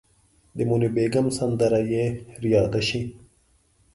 د موني بیګم سندره یې ریاده شي.